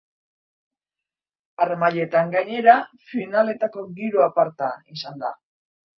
Harmailetan gainera finaletako giro aparta izan da.